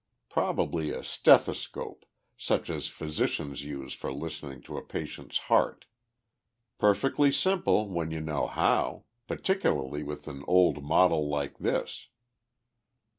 Probably a stethoscope, such as physicians use for listening to a patient's heart. Perfectly simple when you know how particularly with an old model like this."